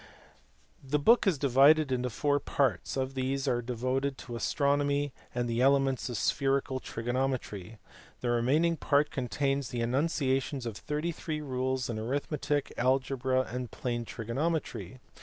The book is divided into four parts : of these three are devoted to astronomy and the elements of spherical trigono metry ; the remaining part contains the enunciations of thirty three rules in arithmetic, algebra, and plane trigonometry.